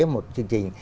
một chương trình